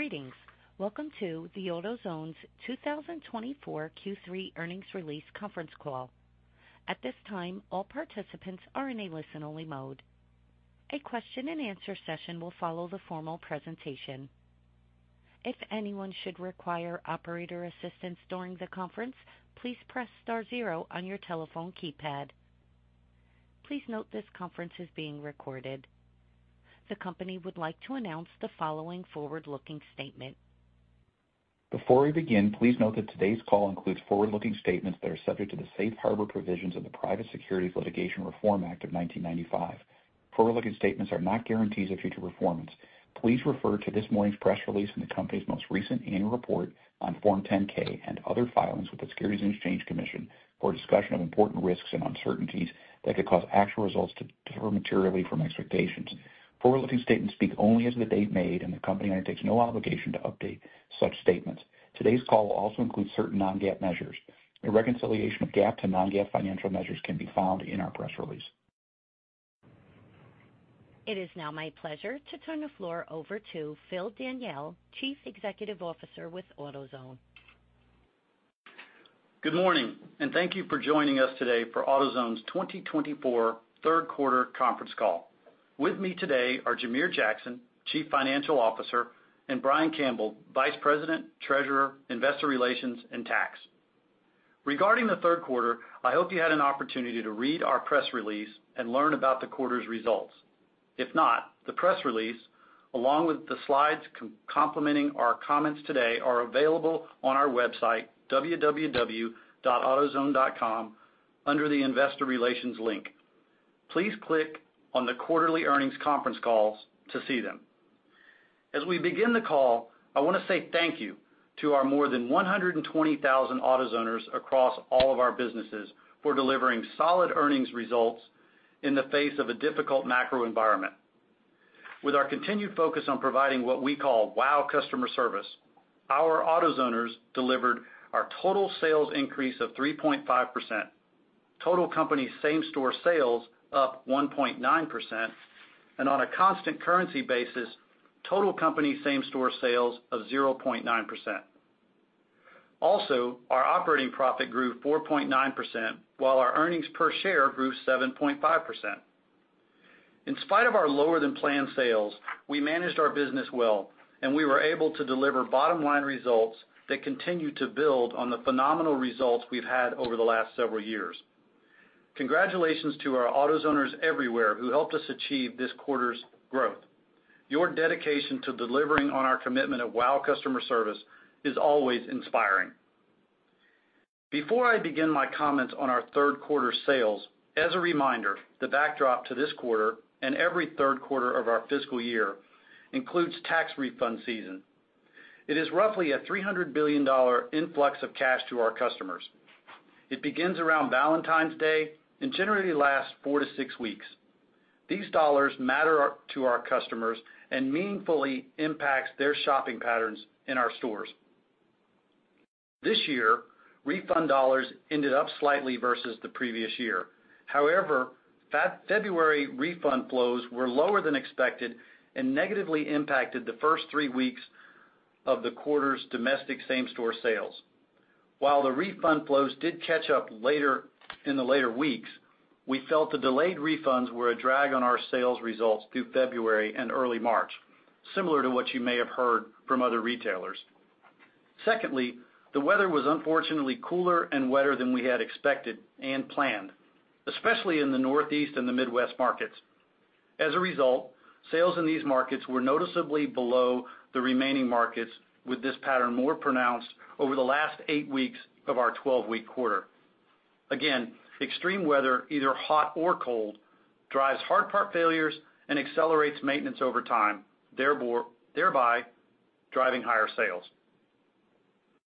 Greetings! Welcome to the AutoZone's 2024 Q3 Earnings Release Conference Call. At this time, all participants are in a listen-only mode. A question and answer session will follow the formal presentation. If anyone should require operator assistance during the conference, please press star zero on your telephone keypad. Please note this conference is being recorded. The company would like to announce the following forward-looking statement. Before we begin, please note that today's call includes forward-looking statements that are subject to the safe harbor provisions of the Private Securities Litigation Reform Act of 1995. Forward-looking statements are not guarantees of future performance. Please refer to this morning's press release and the company's most recent annual report on Form 10-K and other filings with the Securities and Exchange Commission for a discussion of important risks and uncertainties that could cause actual results to differ materially from expectations. Forward-looking statements speak only as of the date made, and the company undertakes no obligation to update such statements. Today's call will also include certain non-GAAP measures. A reconciliation of GAAP to non-GAAP financial measures can be found in our press release. It is now my pleasure to turn the floor over to Phil Daniele, Chief Executive Officer with AutoZone. Good morning, and thank you for joining us today for AutoZone's 2024 Third Quarter Conference Call. With me today are Jamere Jackson, Chief Financial Officer, and Brian Campbell, Vice President, Treasurer, Investor Relations, and Tax. Regarding the third quarter, I hope you had an opportunity to read our press release and learn about the quarter's results. If not, the press release, along with the slides complementing our comments today, are available on our website, www.autozone.com, under the Investor Relations link. Please click on the quarterly earnings conference calls to see them. As we begin the call, I wanna say thank you to our more than 120,000 AutoZoners across all of our businesses for delivering solid earnings results in the face of a difficult macro environment. With our continued focus on providing what we call WOW! Customer Service, our AutoZoners delivered our total sales increase of 3.5%, total company same-store sales up 1.9%, and on a constant currency basis, total company same-store sales of 0.9%. Also, our operating profit grew 4.9%, while our earnings per share grew 7.5%. In spite of our lower-than-planned sales, we managed our business well, and we were able to deliver bottom-line results that continue to build on the phenomenal results we've had over the last several years. Congratulations to our AutoZoners everywhere who helped us achieve this quarter's growth. Your dedication to delivering on our commitment of WOW! Customer Service is always inspiring. Before I begin my comments on our third quarter sales, as a reminder, the backdrop to this quarter and every third quarter of our fiscal year includes tax refund season. It is roughly a $300 billion influx of cash to our customers. It begins around Valentine's Day and generally lasts 4-6 weeks. These dollars matter to our customers and meaningfully impacts their shopping patterns in our stores. This year, refund dollars ended up slightly versus the previous year. However, February refund flows were lower than expected and negatively impacted the first 3 weeks of the quarter's domestic same-store sales. While the refund flows did catch up later, in the later weeks, we felt the delayed refunds were a drag on our sales results through February and early March, similar to what you may have heard from other retailers. Secondly, the weather was unfortunately cooler and wetter than we had expected and planned, especially in the Northeast and the Midwest markets. As a result, sales in these markets were noticeably below the remaining markets, with this pattern more pronounced over the last eight weeks of our twelve-week quarter. Again, extreme weather, either hot or cold, drives hard part failures and accelerates maintenance over time, thereby driving higher sales.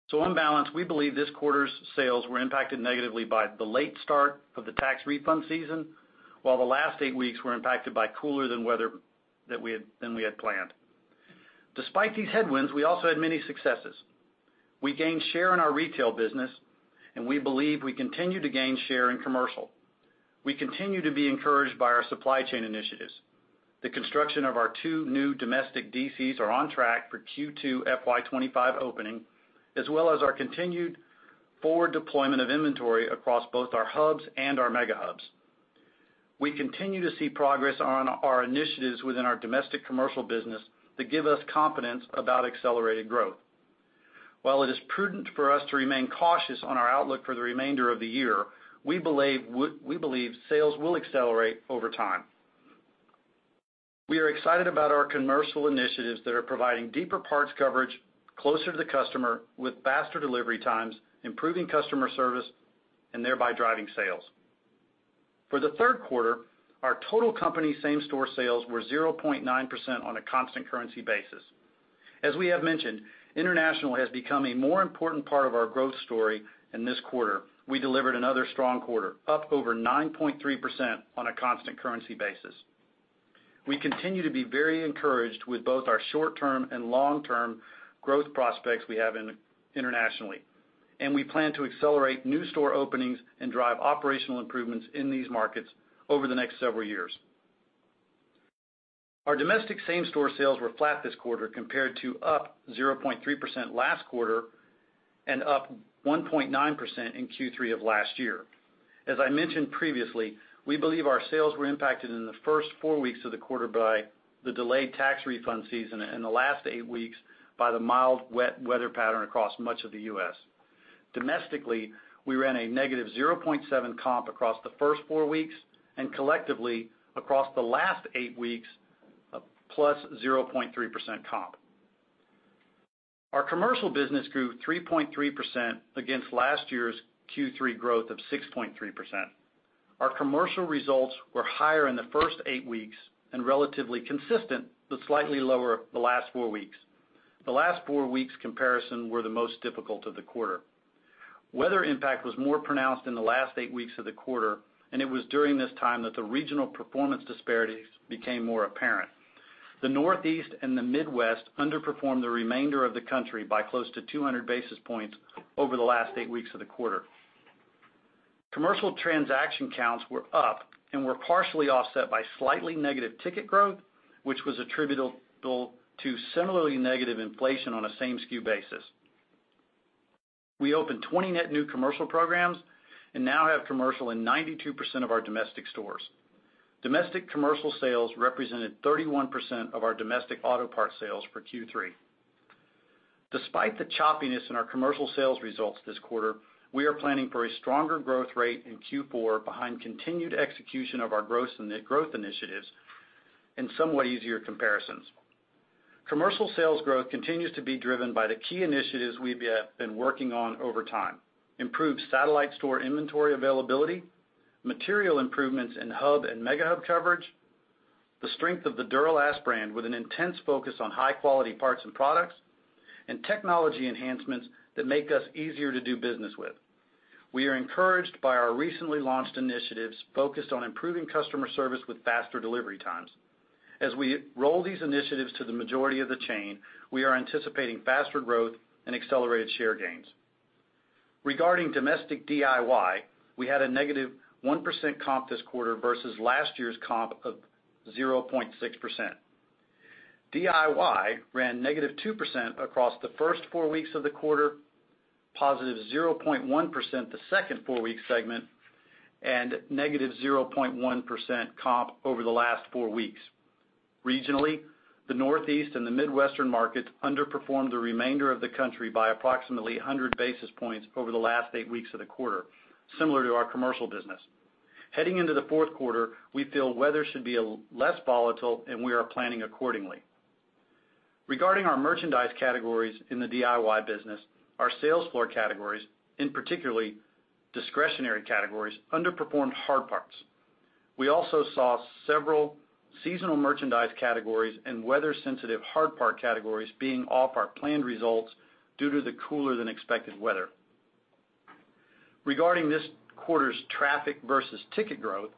So on balance, we believe this quarter's sales were impacted negatively by the late start of the tax refund season, while the last eight weeks were impacted by cooler than we had planned. Despite these headwinds, we also had many successes. We gained share in our retail business, and we believe we continue to gain share in commercial. We continue to be encouraged by our supply chain initiatives. The construction of our two new domestic DCs are on track for Q2 FY 2025 opening, as well as our continued forward deployment of inventory across both our Hubs and our Mega Hubs. We continue to see progress on our initiatives within our domestic commercial business that give us confidence about accelerated growth. While it is prudent for us to remain cautious on our outlook for the remainder of the year, we believe we believe sales will accelerate over time. We are excited about our commercial initiatives that are providing deeper parts coverage closer to the customer with faster delivery times, improving customer service and thereby driving sales. For the third quarter, our total company same-store sales were 0.9% on a constant currency basis. As we have mentioned, international has become a more important part of our growth story, and this quarter, we delivered another strong quarter, up over 9.3% on a constant currency basis. We continue to be very encouraged with both our short-term and long-term growth prospects we have internationally and we plan to accelerate new store openings and drive operational improvements in these markets over the next several years. Our domestic same-store sales were flat this quarter compared to up 0.3% last quarter, and up 1.9% in Q3 of last year. As I mentioned previously, we believe our sales were impacted in the first 4 weeks of the quarter by the delayed tax refund season, and the last 8 weeks by the mild, wet weather pattern across much of the U.S. Domestically, we ran a negative 0.7 comp across the first 4 weeks, and collectively, across the last 8 weeks, a +0.3% comp. Our commercial business grew 3.3% against last year's Q3 growth of 6.3%. Our commercial results were higher in the first 8 weeks and relatively consistent, but slightly lower the last 4 weeks. The last 4 weeks' comparison were the most difficult of the quarter. Weather impact was more pronounced in the last 8 weeks of the quarter, and it was during this time that the regional performance disparities became more apparent. The Northeast and the Midwest underperformed the remainder of the country by close to 200 basis points over the last 8 weeks of the quarter. Commercial transaction counts were up and were partially offset by slightly negative ticket growth, which was attributable to similarly negative inflation on a same SKU basis. We opened 20 net new commercial programs and now have commercial in 92% of our domestic stores. Domestic commercial sales represented 31% of our domestic auto parts sales for Q3. Despite the choppiness in our commercial sales results this quarter, we are planning for a stronger growth rate in Q4 behind continued execution of our growth initiatives and somewhat easier comparisons. Commercial sales growth continues to be driven by the key initiatives we've been working on over time: improved satellite store inventory availability, material improvements in Hub and Mega Hub coverage, the strength of the Duralast brand with an intense focus on high-quality parts and products, and technology enhancements that make us easier to do business with. We are encouraged by our recently launched initiatives focused on improving customer service with faster delivery times. As we roll these initiatives to the majority of the chain, we are anticipating faster growth and accelerated share gains. Regarding domestic DIY, we had a negative 1% comp this quarter versus last year's comp of 0.6%. DIY ran negative 2% across the first 4 weeks of the quarter, positive 0.1% the second 4-week segment, and negative 0.1% comp over the last 4 weeks. Regionally, the Northeast and the Midwest markets underperformed the remainder of the country by approximately 100 basis points over the last 8 weeks of the quarter, similar to our commercial business. Heading into the fourth quarter, we feel weather should be a little less volatile, and we are planning accordingly. Regarding our merchandise categories in the DIY business, our sales floor categories, in particular, discretionary categories, underperformed hard parts. We also saw several seasonal merchandise categories and weather-sensitive hard part categories being off our planned results due to the cooler-than-expected weather. Regarding this quarter's traffic versus ticket growth,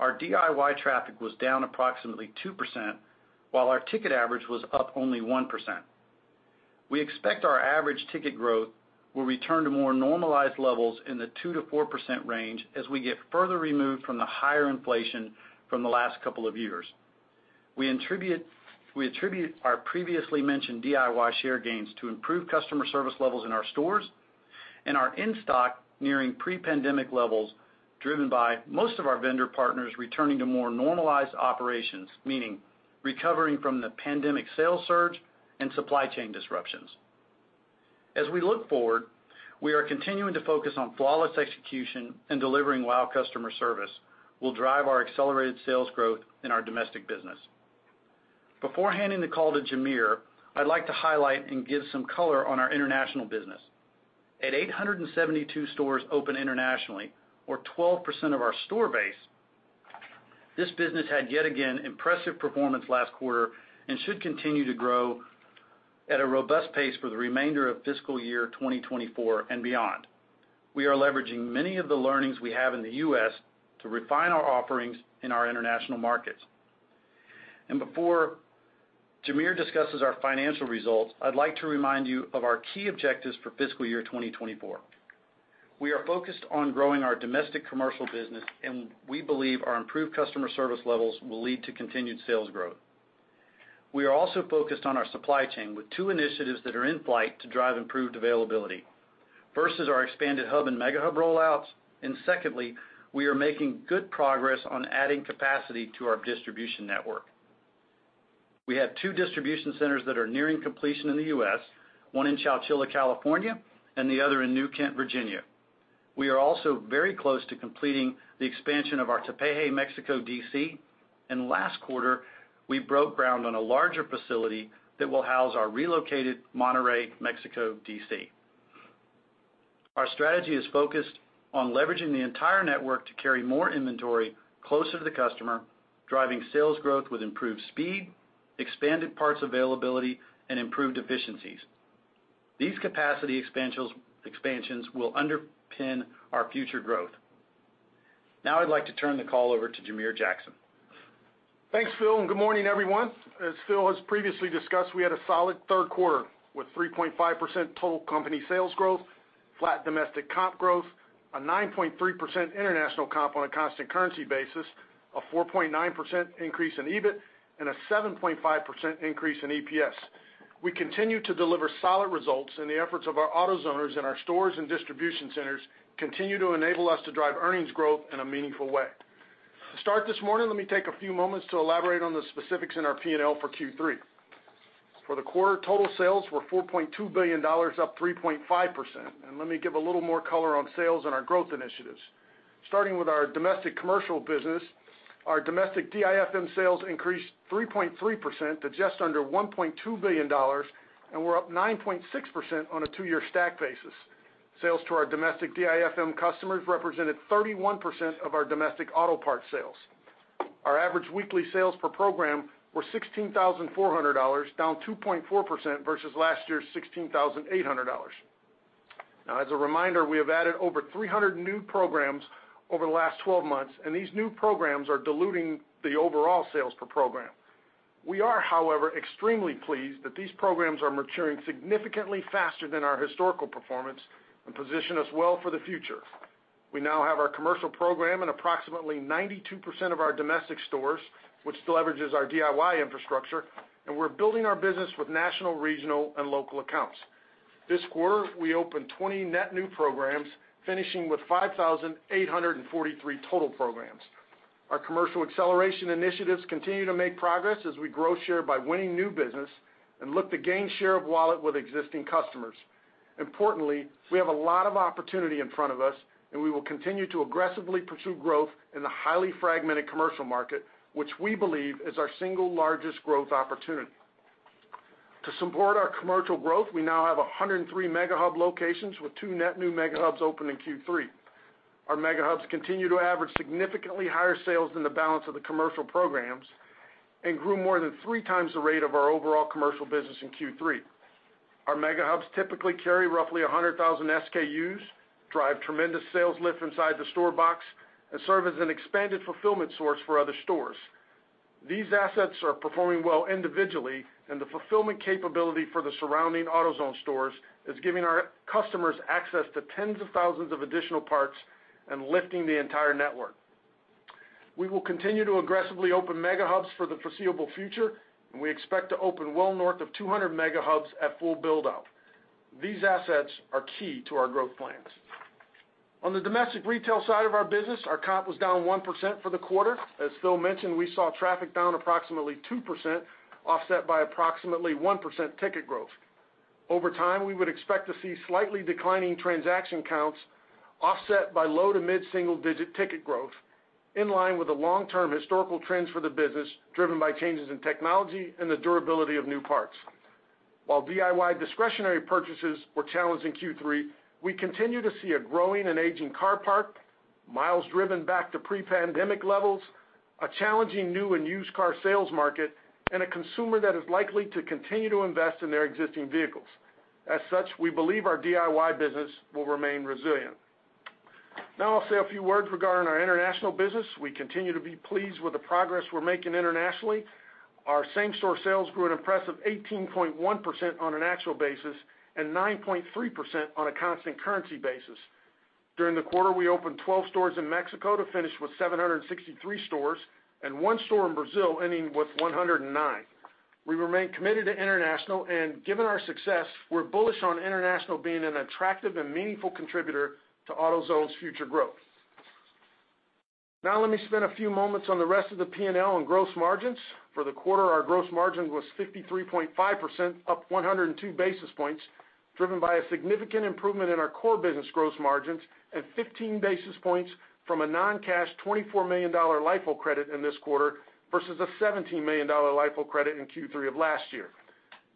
our DIY traffic was down approximately 2%, while our ticket average was up only 1%. We expect our average ticket growth will return to more normalized levels in the 2%-4% range as we get further removed from the higher inflation from the last couple of years. We attribute, we attribute our previously mentioned DIY share gains to improved customer service levels in our stores and our in-stock nearing pre-pandemic levels, driven by most of our vendor partners returning to more normalized operations, meaning recovering from the pandemic sales surge and supply chain disruptions. As we look forward, we are continuing to focus on flawless execution and delivering WOW! Customer Service will drive our accelerated sales growth in our domestic business. Before handing the call to Jamere, I'd like to highlight and give some color on our international business. At 872 stores open internationally, or 12% of our store base, this business had yet again impressive performance last quarter and should continue to grow at a robust pace for the remainder of fiscal year 2024 and beyond. We are leveraging many of the learnings we have in the U.S. to refine our offerings in our international markets. Before Jamere discusses our financial results, I'd like to remind you of our key objectives for fiscal year 2024. We are focused on growing our domestic commercial business, and we believe our improved customer service levels will lead to continued sales growth. We are also focused on our supply chain with two initiatives that are in flight to drive improved availability: first is our expanded Hub and Mega Hub rollouts, and secondly, we are making good progress on adding capacity to our distribution network. We have two distribution centers that are nearing completion in the U.S., one in Chowchilla, California, and the other in New Kent, Virginia. We are also very close to completing the expansion of our Tepeji, Mexico, D.C., and last quarter, we broke ground on a larger facility that will house our relocated Monterrey, Mexico, D.C. Our strategy is focused on leveraging the entire network to carry more inventory closer to the customer, driving sales growth with improved speed, expanded parts availability, and improved efficiencies. These capacity expansions will underpin our future growth.... Now I'd like to turn the call over to Jamere Jackson. Thanks, Phil, and good morning, everyone. As Phil has previously discussed, we had a solid third quarter, with 3.5% total company sales growth, flat domestic comp growth, a 9.3% international comp on a constant currency basis, a 4.9% increase in EBIT, and a 7.5% increase in EPS. We continue to deliver solid results, and the efforts of our AutoZoners in our stores and distribution centers continue to enable us to drive earnings growth in a meaningful way. To start this morning, let me take a few moments to elaborate on the specifics in our P&L for Q3. For the quarter, total sales were $4.2 billion, up 3.5%. Let me give a little more color on sales and our growth initiatives. Starting with our domestic commercial business, our domestic DIFM sales increased 3.3% to just under $1.2 billion, and we're up 9.6% on a two-year stack basis. Sales to our domestic DIFM customers represented 31% of our domestic auto parts sales. Our average weekly sales per program were $16,400, down 2.4% versus last year's $16,800. Now, as a reminder, we have added over 300 new programs over the last 12 months, and these new programs are diluting the overall sales per program. We are, however, extremely pleased that these programs are maturing significantly faster than our historical performance and position us well for the future. We now have our commercial program in approximately 92% of our domestic stores, which leverages our DIY infrastructure, and we're building our business with national, regional, and local accounts. This quarter, we opened 20 net new programs, finishing with 5,843 total programs. Our commercial acceleration initiatives continue to make progress as we grow share by winning new business and look to gain share of wallet with existing customers. Importantly, we have a lot of opportunity in front of us, and we will continue to aggressively pursue growth in the highly fragmented commercial market, which we believe is our single largest growth opportunity. To support our commercial growth, we now have 103 Mega Hubs locations, with 2 net new Mega Hubs open in Q3. Our Mega Hubs continue to average significantly higher sales than the balance of the commercial programs and grew more than 3 times the rate of our overall commercial business in Q3. Our Mega Hubs typically carry roughly 100,000 SKUs, drive tremendous sales lift inside the store box, and serve as an expanded fulfillment source for other stores. These assets are performing well individually, and the fulfillment capability for the surrounding AutoZone stores is giving our customers access to tens of thousands of additional parts and lifting the entire network. We will continue to aggressively open Mega Hubs for the foreseeable future, and we expect to open well north of 200 Mega Hubs at full build-out. These assets are key to our growth plans. On the domestic retail side of our business, our comp was down 1% for the quarter. As Phil mentioned, we saw traffic down approximately 2%, offset by approximately 1% ticket growth. Over time, we would expect to see slightly declining transaction counts offset by low- to mid-single-digit ticket growth, in line with the long-term historical trends for the business, driven by changes in technology and the durability of new parts. While DIY discretionary purchases were challenged in Q3, we continue to see a growing and aging car park, miles driven back to pre-pandemic levels, a challenging new and used car sales market, and a consumer that is likely to continue to invest in their existing vehicles. As such, we believe our DIY business will remain resilient. Now I'll say a few words regarding our international business. We continue to be pleased with the progress we're making internationally. Our same-store sales grew an impressive 18.1% on an actual basis and 9.3% on a constant currency basis. During the quarter, we opened 12 stores in Mexico to finish with 763 stores and 1 store in Brazil, ending with 109. We remain committed to international, and given our success, we're bullish on international being an attractive and meaningful contributor to AutoZone's future growth. Now let me spend a few moments on the rest of the P&L and gross margins. For the quarter, our gross margin was 53.5%, up 102 basis points, driven by a significant improvement in our core business gross margins and 15 basis points from a non-cash $24 million LIFO credit in this quarter versus a $17 million LIFO credit in Q3 of last year.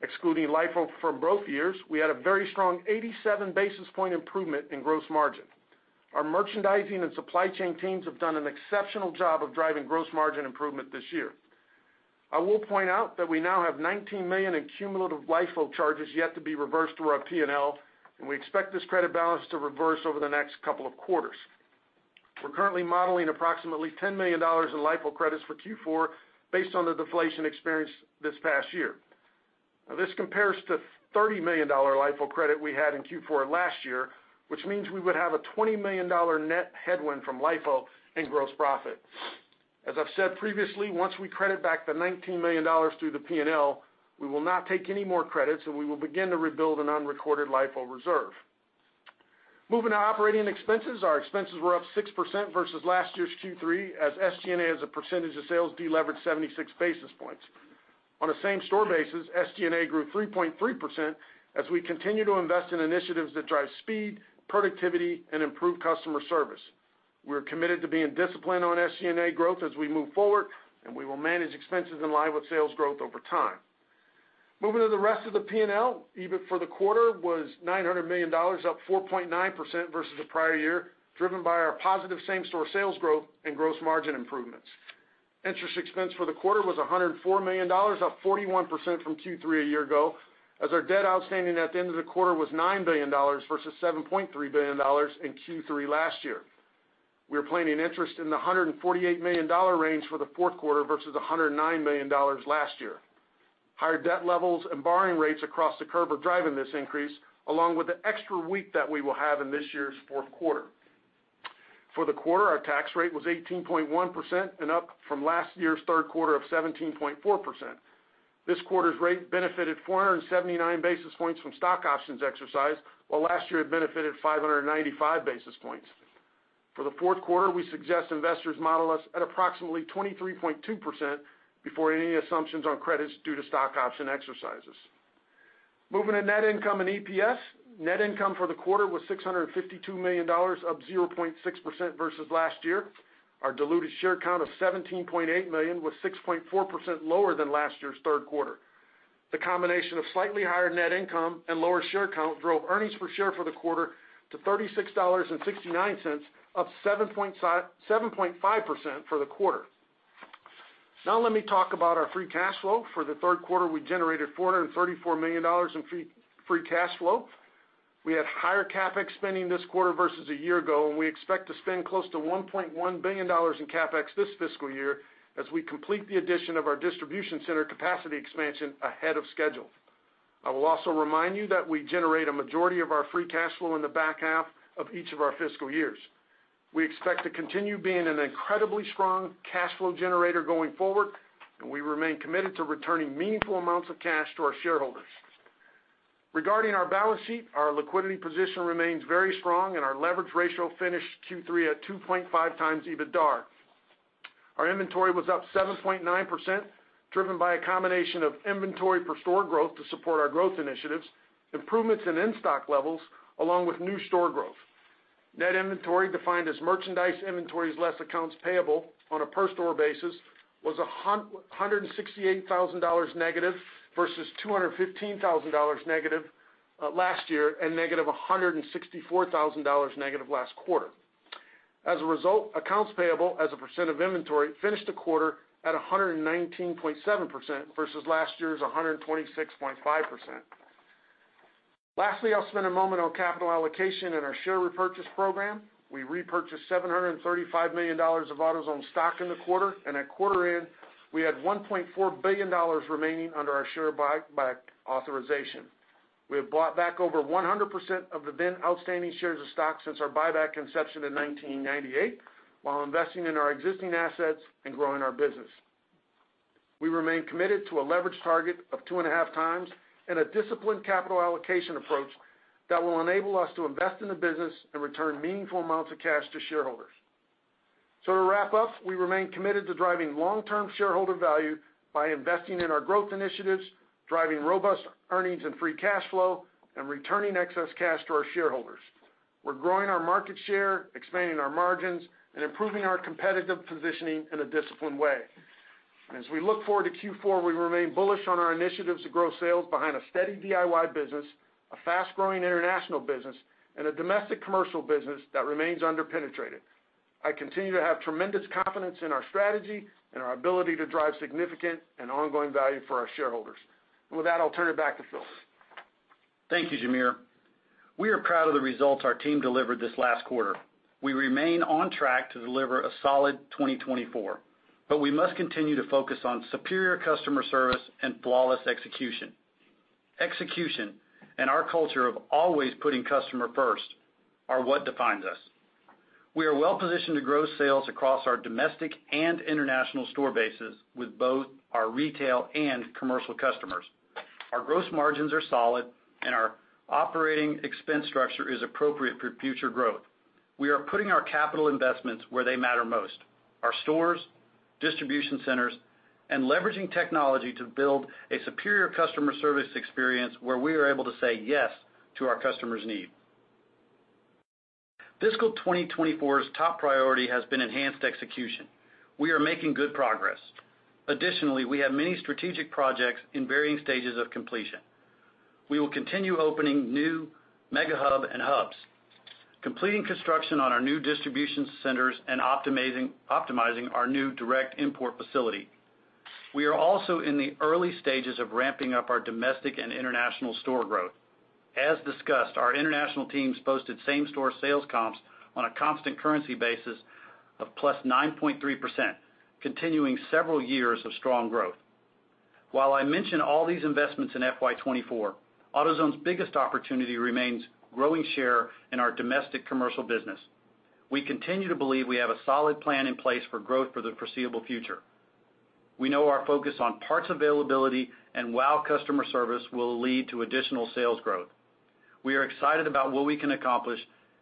Excluding LIFO from both years, we had a very strong 87 basis point improvement in gross margin. Our merchandising and supply chain teams have done an exceptional job of driving gross margin improvement this year. I will point out that we now have $19 million in cumulative LIFO charges yet to be reversed through our P&L, and we expect this credit balance to reverse over the next couple of quarters. We're currently modeling approximately $10 million in LIFO credits for Q4 based on the deflation experienced this past year. Now, this compares to $30 million LIFO credit we had in Q4 last year, which means we would have a $20 million net headwind from LIFO in gross profit. As I've said previously, once we credit back the $19 million through the P&L, we will not take any more credits, and we will begin to rebuild an unrecorded LIFO reserve. Moving to operating expenses, our expenses were up 6% versus last year's Q3, as SG&A, as a percentage of sales, delevered 76 basis points. On a same-store basis, SG&A grew 3.3% as we continue to invest in initiatives that drive speed, productivity, and improve customer service. We're committed to being disciplined on SG&A growth as we move forward, and we will manage expenses in line with sales growth over time. Moving to the rest of the P&L, EBIT for the quarter was $900 million, up 4.9% versus the prior year, driven by our positive same-store sales growth and gross margin improvements. Interest expense for the quarter was $104 million, up 41% from Q3 a year ago, as our debt outstanding at the end of the quarter was $9 billion versus $7.3 billion in Q3 last year. We are planning interest in the $148 million range for the fourth quarter versus $109 million last year. Higher debt levels and borrowing rates across the curve are driving this increase, along with the extra week that we will have in this year's fourth quarter. For the quarter, our tax rate was 18.1% and up from last year's third quarter of 17.4%. This quarter's rate benefited 479 basis points from stock options exercised, while last year it benefited 595 basis points. For the fourth quarter, we suggest investors model us at approximately 23.2% before any assumptions on credits due to stock option exercises. Moving to net income and EPS. Net income for the quarter was $652 million, up 0.6% versus last year. Our diluted share count of 17.8 million was 6.4% lower than last year's third quarter. The combination of slightly higher net income and lower share count drove earnings per share for the quarter to $36.69, up 7.5% for the quarter. Now let me talk about our free cash flow. For the third quarter, we generated $434 million in free cash flow. We had higher CapEx spending this quarter versus a year ago, and we expect to spend close to $1.1 billion in CapEx this fiscal year as we complete the addition of our distribution center capacity expansion ahead of schedule. I will also remind you that we generate a majority of our free cash flow in the back half of each of our fiscal years. We expect to continue being an incredibly strong cash flow generator going forward, and we remain committed to returning meaningful amounts of cash to our shareholders. Regarding our balance sheet, our liquidity position remains very strong and our leverage ratio finished Q3 at 2.5 times EBITDAR. Our inventory was up 7.9%, driven by a combination of inventory per store growth to support our growth initiatives, improvements in in-stock levels, along with new store growth. Net inventory, defined as merchandise inventories less accounts payable on a per store basis, was -$168,000 versus -$215,000 last year, and -$164,000 last quarter. As a result, accounts payable, as a percent of inventory, finished the quarter at 119.7% versus last year's 126.5%. Lastly, I'll spend a moment on capital allocation and our share repurchase program. We repurchased $735 million of AutoZone stock in the quarter, and at quarter end, we had $1.4 billion remaining under our share buyback authorization. We have bought back over 100% of the then outstanding shares of stock since our buyback inception in 1998, while investing in our existing assets and growing our business. We remain committed to a leverage target of 2.5 times and a disciplined capital allocation approach that will enable us to invest in the business and return meaningful amounts of cash to shareholders. To wrap up, we remain committed to driving long-term shareholder value by investing in our growth initiatives, driving robust earnings and free cash flow, and returning excess cash to our shareholders. We're growing our market share, expanding our margins, and improving our competitive positioning in a disciplined way. As we look forward to Q4, we remain bullish on our initiatives to grow sales behind a steady DIY business, a fast-growing international business, and a domestic commercial business that remains under-penetrated. I continue to have tremendous confidence in our strategy and our ability to drive significant and ongoing value for our shareholders. With that, I'll turn it back to Phil. Thank you, Jamere. We are proud of the results our team delivered this last quarter. We remain on track to deliver a solid 2024, but we must continue to focus on superior customer service and flawless execution. Execution and our culture of always putting customer first are what defines us. We are well positioned to grow sales across our domestic and international store bases with both our retail and commercial customers. Our gross margins are solid, and our operating expense structure is appropriate for future growth. We are putting our capital investments where they matter most: our stores, distribution centers, and leveraging technology to build a superior customer service experience where we are able to say yes to our customer's need. Fiscal 2024's top priority has been enhanced execution. We are making good progress. Additionally, we have many strategic projects in varying stages of completion. We will continue opening new Mega Hub and Hubs, completing construction on our new distribution centers, and optimizing, optimizing our new direct import facility. We are also in the early stages of ramping up our domestic and international store growth. As discussed, our international teams posted same-store sales comps on a constant currency basis of plus 9.3%, continuing several years of strong growth. While I mention all these investments in FY 2024, AutoZone's biggest opportunity remains growing share in our domestic commercial business. We continue to believe we have a solid plan in place for growth for the foreseeable future. We know our focus on parts availability and WOW! Customer Service will lead to additional sales growth. We are excited about what we can accomplish,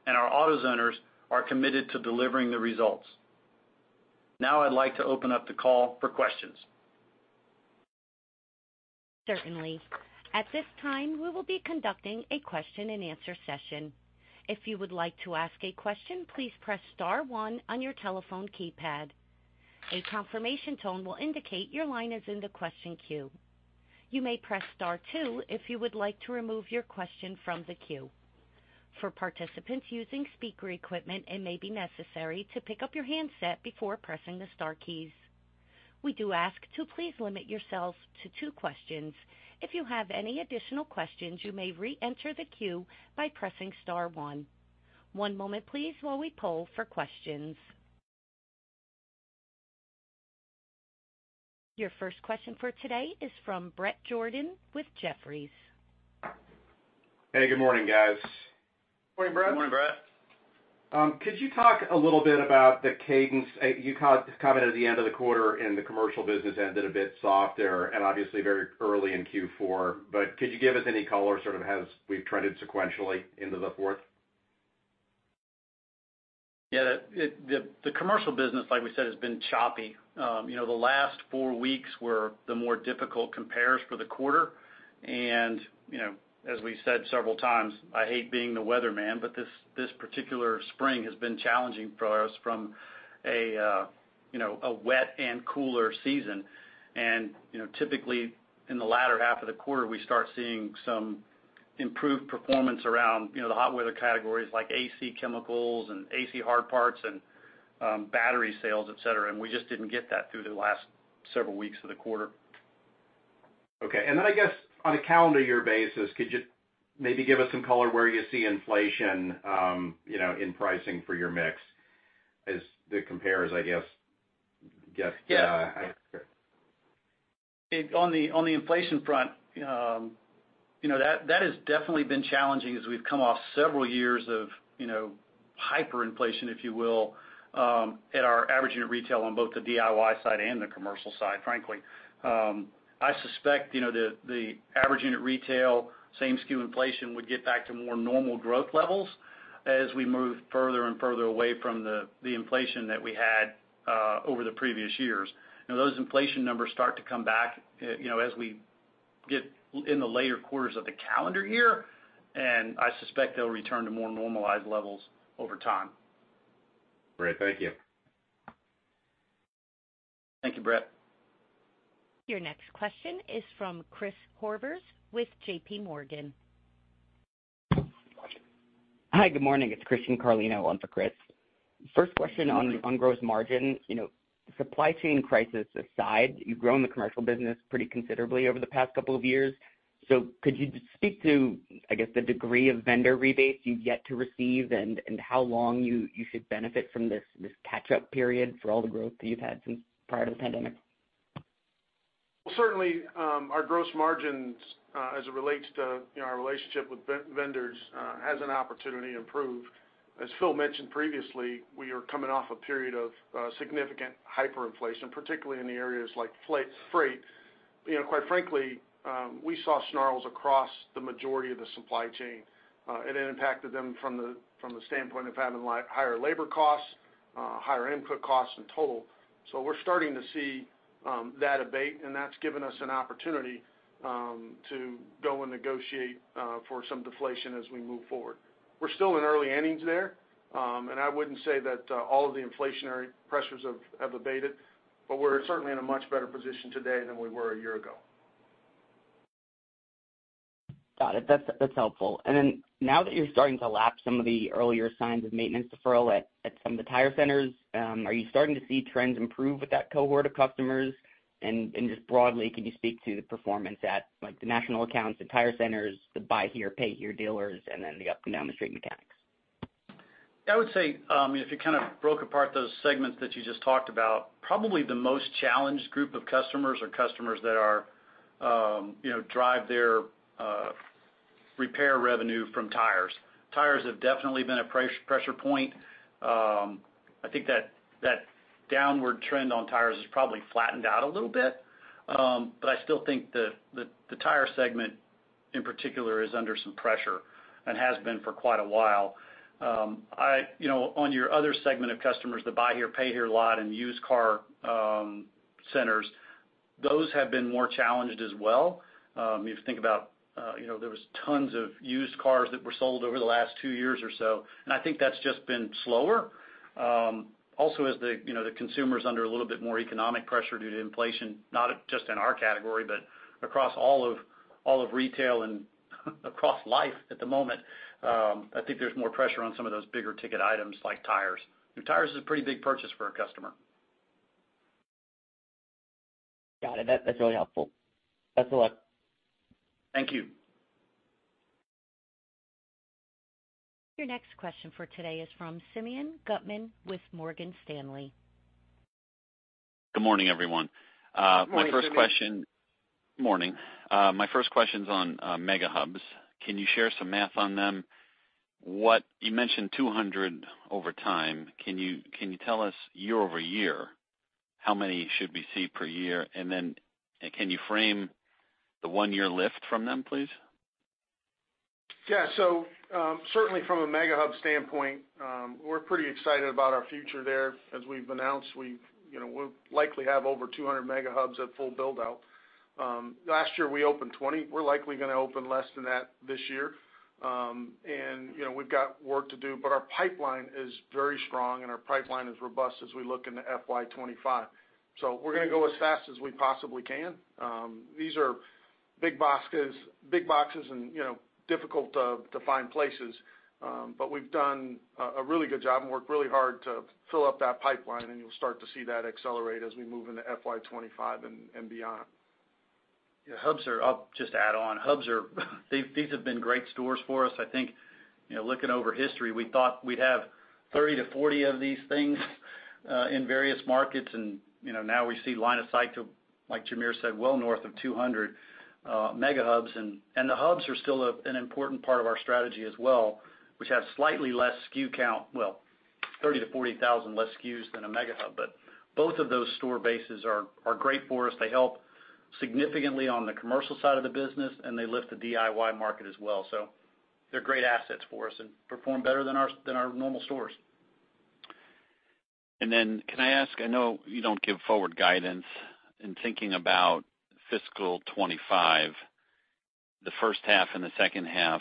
and our AutoZoners are committed to delivering the results. Now, I'd like to open up the call for questions. Certainly. At this time, we will be conducting a question and answer session. If you would like to ask a question, please press star one on your telephone keypad. A confirmation tone will indicate your line is in the question queue. You may press star two if you would like to remove your question from the queue. ...For participants using speaker equipment, it may be necessary to pick up your handset before pressing the star keys. We do ask to please limit yourselves to two questions. If you have any additional questions, you may reenter the queue by pressing star one. One moment please, while we poll for questions. Your first question for today is from Bret Jordan with Jefferies. Hey, good morning, guys. Good morning, Bret. Good morning, Bret. Could you talk a little bit about the cadence? You commented at the end of the quarter, and the commercial business ended a bit softer and obviously very early in Q4. But could you give us any color, sort of, how we've trended sequentially into the fourth? Yeah, the commercial business, like we said, has been choppy. You know, the last four weeks were the more difficult compares for the quarter. You know, as we've said several times, I hate being the weatherman, but this particular spring has been challenging for us from a, you know, a wet and cooler season. You know, typically, in the latter half of the quarter, we start seeing some improved performance around, you know, the hot weather categories like AC chemicals and AC hard parts and, battery sales, et cetera, and we just didn't get that through the last several weeks of the quarter. Okay. And then, I guess, on a calendar year basis, could you maybe give us some color where you see inflation, you know, in pricing for your mix as it compares, I guess, just, Yeah. On the inflation front, you know, that has definitely been challenging as we've come off several years of, you know, hyperinflation, if you will, at our average unit retail on both the DIY side and the commercial side, frankly. I suspect, you know, the average unit retail, same SKU inflation would get back to more normal growth levels as we move further and further away from the inflation that we had over the previous years. Now, those inflation numbers start to come back, you know, as we get in the later quarters of the calendar year, and I suspect they'll return to more normalized levels over time. Great. Thank you. Thank you, Bret. Your next question is from Chris Horvers with J.P. Morgan. Hi, good morning, it's Christian Carlino on for Chris. First question on gross margin. You know, supply chain crisis aside, you've grown the commercial business pretty considerably over the past couple of years. So could you just speak to, I guess, the degree of vendor rebates you've yet to receive and how long you should benefit from this catch-up period for all the growth that you've had since prior to the pandemic? Well, certainly, our gross margins, as it relates to, you know, our relationship with vendors, has an opportunity to improve. As Phil mentioned previously, we are coming off a period of significant hyperinflation, particularly in the areas like freight. You know, quite frankly, we saw snarls across the majority of the supply chain, and it impacted them from the standpoint of having higher labor costs, higher input costs in total. So we're starting to see that abate, and that's given us an opportunity to go and negotiate for some deflation as we move forward. We're still in early innings there, and I wouldn't say that all of the inflationary pressures have abated, but we're certainly in a much better position today than we were a year ago. Got it. That's, that's helpful. And then, now that you're starting to lap some of the earlier signs of maintenance deferral at, at some of the tire centers, are you starting to see trends improve with that cohort of customers? And, and just broadly, can you speak to the performance at, like, the national accounts, the tire centers, the buy here, pay here dealers, and then the up-and-down the street mechanics? I would say, if you kind of broke apart those segments that you just talked about, probably the most challenged group of customers are customers that are, you know, drive their repair revenue from tires. Tires have definitely been a pressure point. I think that downward trend on tires has probably flattened out a little bit, but I still think the tire segment, in particular, is under some pressure and has been for quite a while. You know, on your other segment of customers, the buy here, pay here lot and used car centers, those have been more challenged as well. If you think about, you know, there was tons of used cars that were sold over the last two years or so, and I think that's just been slower. Also, as the, you know, the consumer's under a little bit more economic pressure due to inflation, not just in our category, but across all of, all of retail and across life at the moment, I think there's more pressure on some of those bigger ticket items like tires. Tires is a pretty big purchase for a customer. Got it. That, that's really helpful. Thanks a lot. Thank you. Your next question for today is from Simeon Gutman with Morgan Stanley. Good morning, everyone. Good morning, Simeon. Morning. My first question's on Mega Hubs. Can you share some math on them? What? You mentioned 200 over time. Can you, can you tell us year-over-year how many should we see per year? And then, can you frame the one-year lift from them, please? Yeah, so, certainly from a Mega Hub standpoint, we're pretty excited about our future there. As we've announced, we've, you know, we'll likely have over 200 Mega Hubs at full build-out. Last year, we opened 20. We're likely gonna open less than that this year. And, you know, we've got work to do, but our pipeline is very strong, and our pipeline is robust as we look into FY 2025. So we're gonna go as fast as we possibly can. These are big boxes, big boxes, and, you know, difficult to, to find places. But we've done a, a really good job and worked really hard to fill up that pipeline, and you'll start to see that accelerate as we move into FY 2025 and, and beyond. Yeah, Hubs are. I'll just add on. Hubs are, these, these have been great stores for us. I think, you know, looking over history, we thought we'd have 30-40 of these things in various markets, and, you know, now we see line of sight to, like Jamere said, well north of 200 Mega Hubs. And, and the Hubs are still a, an important part of our strategy as well, which have slightly less SKU count, well, 30,000-40,000 less SKUs than a Mega Hub. But both of those store bases are, are great for us. They help significantly on the commercial side of the business, and they lift the DIY market as well. So they're great assets for us and perform better than our, than our normal stores. Then can I ask, I know you don't give forward guidance. In thinking about fiscal 2025, the first half and the second half,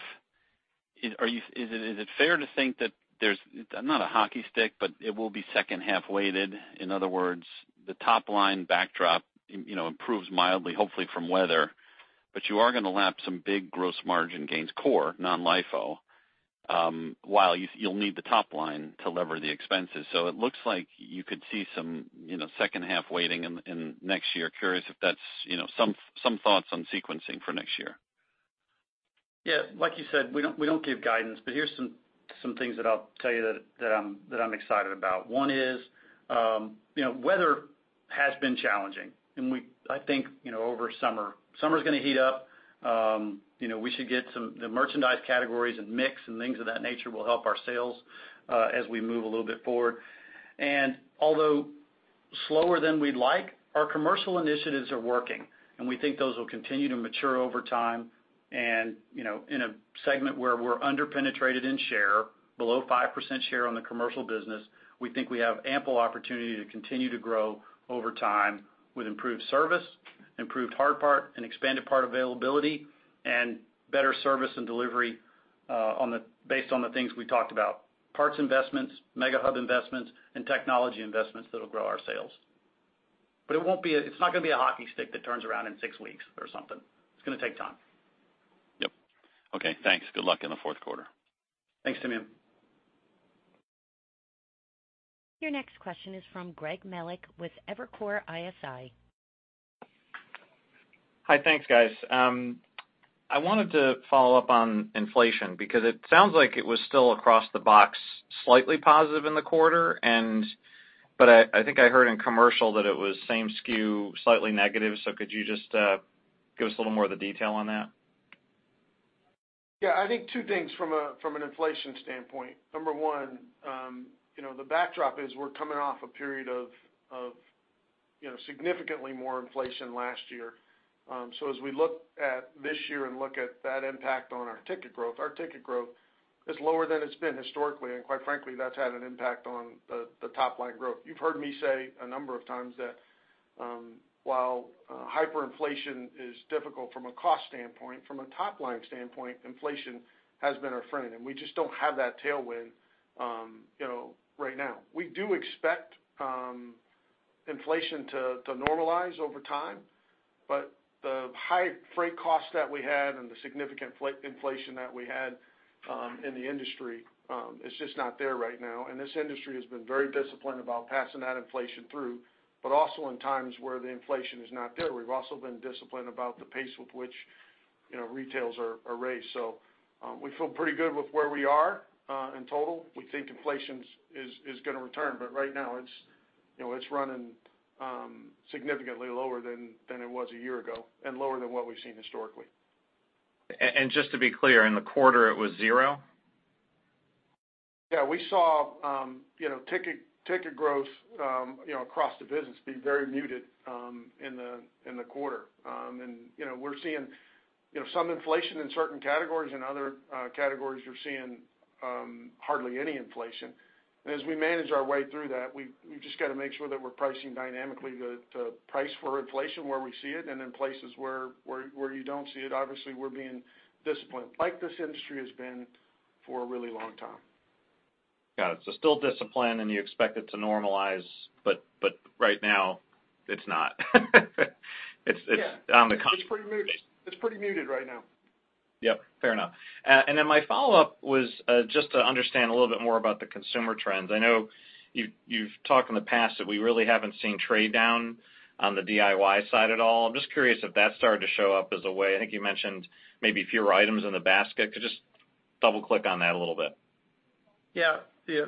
is it fair to think that there's not a hockey stick, but it will be second-half weighted? In other words, the top-line backdrop, you know, improves mildly, hopefully, from weather, but you are gonna lap some big gross margin gains, core, non-LIFO, while you'll need the top line to lever the expenses. So it looks like you could see some, you know, second-half weighting in next year. Curious if that's, you know, some thoughts on sequencing for next year. Yeah, like you said, we don't, we don't give guidance, but here's some, some things that I'll tell you that I'm excited about. One is, you know, weather has been challenging, and we—I think, you know, over summer. Summer's gonna heat up. You know, we should get some... The merchandise categories and mix and things of that nature will help our sales, as we move a little bit forward. And although slower than we'd like, our commercial initiatives are working, and we think those will continue to mature over time. You know, in a segment where we're under-penetrated in share, below 5% share on the commercial business, we think we have ample opportunity to continue to grow over time with improved service, improved hard part and expanded part availability, and better service and delivery based on the things we talked about, parts investments, Mega Hub investments, and Technology Investments that'll grow our sales. But it won't be. It's not gonna be a hockey stick that turns around in six weeks or something. It's gonna take time. Yep. Okay, thanks. Good luck in the fourth quarter. Thanks, Simeon. Your next question is from Greg Melich with Evercore ISI. Hi. Thanks, guys. I wanted to follow up on inflation because it sounds like it was still across the box, slightly positive in the quarter, and, but I, I think I heard in commercial that it was same SKU, slightly negative. So could you just give us a little more of the detail on that? Yeah, I think two things from an inflation standpoint. Number one, you know, the backdrop is we're coming off a period of you know, significantly more inflation last year. So as we look at this year and look at that impact on our ticket growth, our ticket growth is lower than it's been historically, and quite frankly, that's had an impact on the top-line growth. You've heard me say a number of times that while hyperinflation is difficult from a cost standpoint, from a top-line standpoint, inflation has been our friend, and we just don't have that tailwind you know, right now. We do expect inflation to normalize over time, but the high freight costs that we had and the significant inflation that we had in the industry is just not there right now. This industry has been very disciplined about passing that inflation through, but also in times where the inflation is not there. We've also been disciplined about the pace with which, you know, retails are raised. So, we feel pretty good with where we are, in total. We think inflation's gonna return, but right now it's, you know, it's running significantly lower than it was a year ago and lower than what we've seen historically. And, just to be clear, in the quarter, it was zero? Yeah, we saw, you know, ticket, ticket growth, you know, across the business be very muted, in the quarter. You know, we're seeing, you know, some inflation in certain categories, and other categories we're seeing, hardly any inflation. As we manage our way through that, we've just got to make sure that we're pricing dynamically the price for inflation where we see it, and in places where you don't see it, obviously, we're being disciplined, like this industry has been for a really long time. Got it. So still disciplined, and you expect it to normalize, but right now it's not. It's- Yeah. On the... It's pretty muted. It's pretty muted right now. Yep, fair enough. And then my follow-up was just to understand a little bit more about the consumer trends. I know you've, you've talked in the past that we really haven't seen trade down on the DIY side at all. I'm just curious if that started to show up as a way. I think you mentioned maybe fewer items in the basket. Could you just double-click on that a little bit? Yeah. Yeah,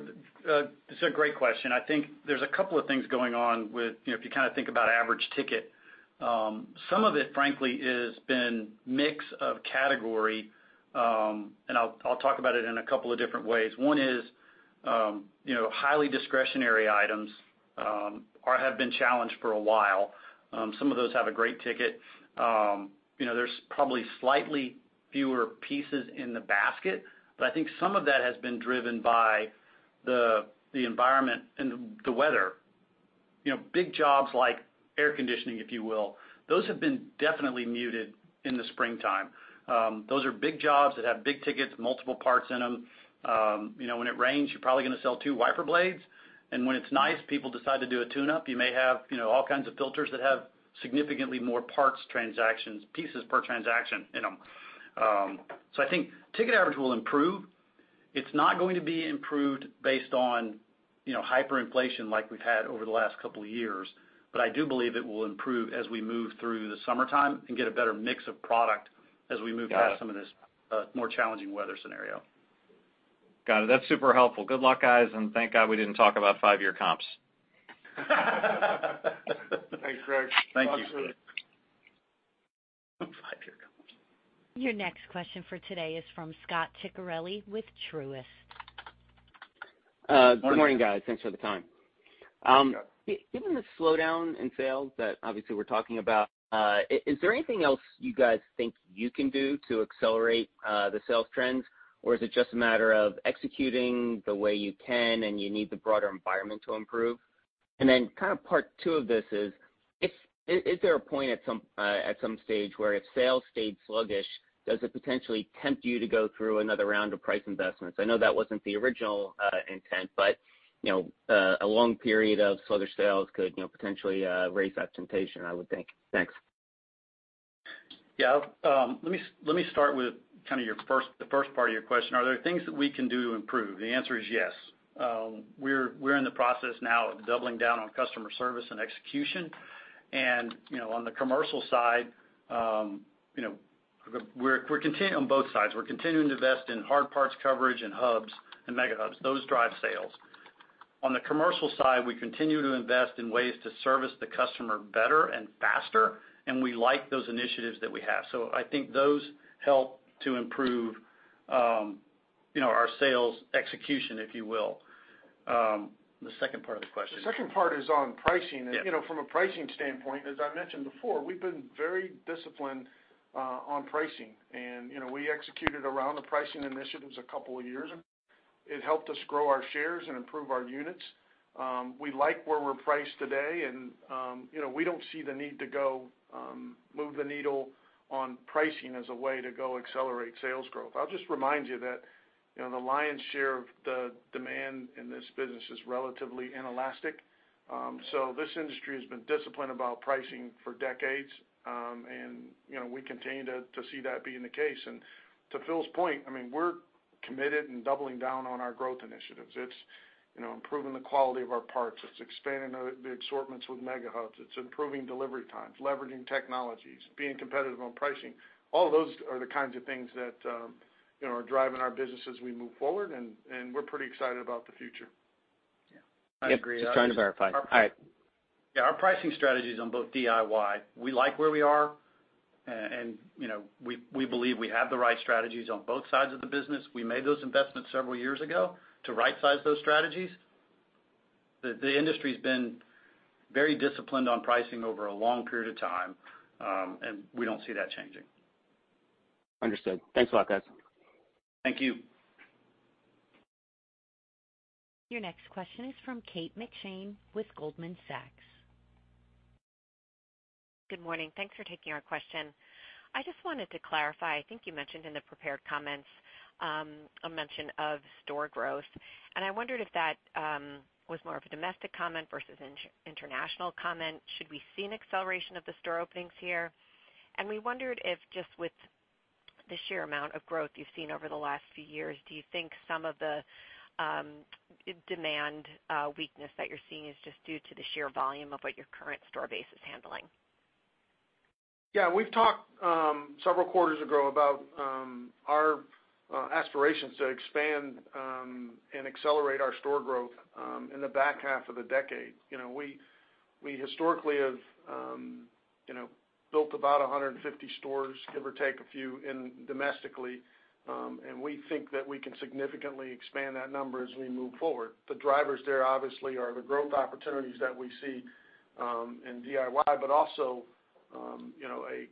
it's a great question. I think there's a couple of things going on with, you know, if you kind of think about average ticket. Some of it, frankly, is been mix of category, and I'll, I'll talk about it in a couple of different ways. One is, you know, highly discretionary items, are have been challenged for a while. Some of those have a great ticket. You know, there's probably slightly fewer pieces in the basket, but I think some of that has been driven by,... the, the environment and the, the weather. You know, big jobs like air conditioning, if you will, those have been definitely muted in the springtime. Those are big jobs that have big tickets, multiple parts in them. You know, when it rains, you're probably going to sell two wiper blades, and when it's nice, people decide to do a tune-up. You may have, you know, all kinds of filters that have significantly more parts transactions, pieces per transaction in them. So I think ticket average will improve. It's not going to be improved based on, you know, hyperinflation like we've had over the last couple of years, but I do believe it will improve as we move through the summertime and get a better mix of product as we move- Got it. past some of this more challenging weather scenario. Got it. That's super helpful. Good luck, guys, and thank God we didn't talk about 5-year comps. Thanks, Greg. Thank you. Talk to you. Your next question for today is from Scot Ciccarelli with Truist. Good morning, guys. Thanks for the time. Sure. Given the slowdown in sales that obviously we're talking about, is there anything else you guys think you can do to accelerate the sales trends? Or is it just a matter of executing the way you can, and you need the broader environment to improve? And then kind of part two of this is, if is there a point at some stage, where if sales stayed sluggish, does it potentially tempt you to go through another round of price investments? I know that wasn't the original intent, but you know, a long period of slower sales could, you know, potentially raise that temptation, I would think. Thanks. Yeah. Let me start with kind of your first, the first part of your question. Are there things that we can do to improve? The answer is yes. We're in the process now of doubling down on customer service and execution. And, you know, on the commercial side, you know, we're continuing. On both sides, we're continuing to invest in hard parts coverage and Hubs and Mega Hubs. Those drive sales. On the commercial side, we continue to invest in ways to service the customer better and faster, and we like those initiatives that we have. So I think those help to improve, you know, our sales execution, if you will. The second part of the question? The second part is on pricing. Yeah. You know, from a pricing standpoint, as I mentioned before, we've been very disciplined on pricing. You know, we executed around the pricing initiatives a couple of years ago. It helped us grow our shares and improve our units. We like where we're priced today, and, you know, we don't see the need to go move the needle on pricing as a way to go accelerate sales growth. I'll just remind you that, you know, the lion's share of the demand in this business is relatively inelastic. So this industry has been disciplined about pricing for decades, and, you know, we continue to see that being the case. To Phil's point, I mean, we're committed and doubling down on our growth initiatives. It's, you know, improving the quality of our parts. It's expanding the assortments with Mega Hubs. It's improving delivery times, leveraging technologies, being competitive on pricing. All those are the kinds of things that, you know, are driving our business as we move forward, and we're pretty excited about the future. Yeah. I agree. Yep, just trying to verify. All right. Yeah, our pricing strategy is on both DIY. We like where we are, and you know, we believe we have the right strategies on both sides of the business. We made those investments several years ago to rightsize those strategies. The industry's been very disciplined on pricing over a long period of time, and we don't see that changing. Understood. Thanks a lot, guys. Thank you. Your next question is from Kate McShane with Goldman Sachs. Good morning. Thanks for taking our question. I just wanted to clarify, I think you mentioned in the prepared comments, a mention of store growth, and I wondered if that was more of a domestic comment versus international comment. Should we see an acceleration of the store openings here? And we wondered if, just with the sheer amount of growth you've seen over the last few years, do you think some of the demand weakness that you're seeing is just due to the sheer volume of what your current store base is handling? Yeah, we've talked several quarters ago about our aspirations to expand and accelerate our store growth in the back half of the decade. You know, we, we historically have built about 150 stores, give or take a few domestically, and we think that we can significantly expand that number as we move forward. The drivers there obviously are the growth opportunities that we see in DIY, but also, you know, a